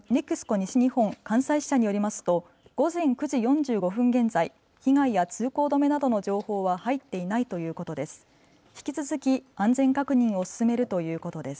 西日本関西支社によりますと午前９時４５分現在、被害や通行止めなどの情報は入っていないということです。